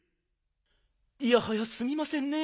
いやはやすみませんね。